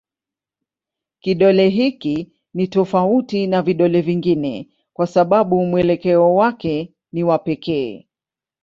Kidole hiki ni tofauti na vidole vingine kwa sababu mwelekeo wake ni wa pekee.